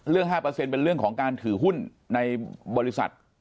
๕เป็นเรื่องของการถือหุ้นในบริษัท